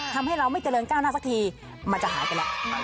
ทำให้เราไม่เจริญก้าวหน้าสักทีมันจะหายไปแล้ว